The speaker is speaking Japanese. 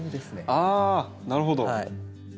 あなるほど。